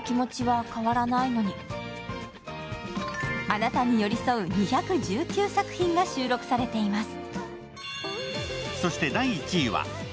あなたに寄り添う２１９作品が収録されています。